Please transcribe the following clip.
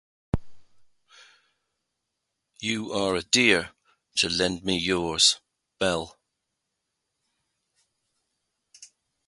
You are a dear, to lend me yours, Belle.